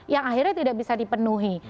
yang akhirnya tidak bisa dipenuhi